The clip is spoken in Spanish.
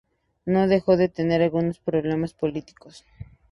No dejó de tener algunos problemas políticos.